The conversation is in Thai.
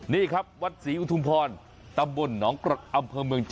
นี่ครับวัดศรีอุทุมพรตำบลหนองกรดอำเภอเมือง